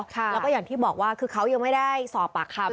แล้วก็อย่างที่บอกว่าคือเขายังไม่ได้สอบปากคำ